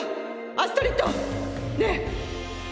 アストリッドねえ！